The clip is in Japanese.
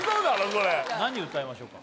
これ何歌いましょうか？